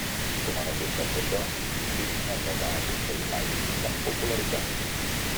Com a resultat d'això, l'himne no va aconseguir mai cap popularitat.